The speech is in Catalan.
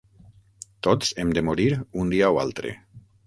Tots hem de morir un dia o altre.